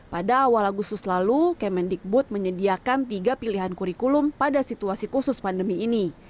pada awal agustus lalu kemendikbud menyediakan tiga pilihan kurikulum pada situasi khusus pandemi ini